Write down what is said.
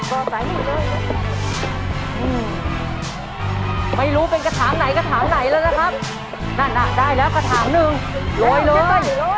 ไม่รู้เป็นกระถางไหนกระถางไหนแล้วนะครับนั่นอ่ะได้แล้วกระถางหนึ่งโรยเลย